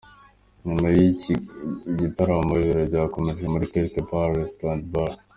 Nyuma y’iki gitaramo ibirori byakomereje muri Quelque Part Resto&Bar.